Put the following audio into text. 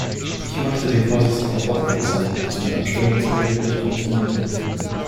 Ich machte den Vorsitz darauf aufmerksam, dass mein Abstimmungsgerät nicht funktionierte.